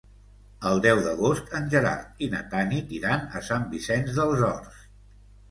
El deu d'agost en Gerard i na Tanit iran a Sant Vicenç dels Horts.